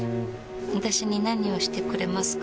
私に何をしてくれますか？